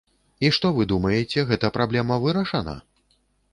І што вы думаеце, гэта праблема вырашана?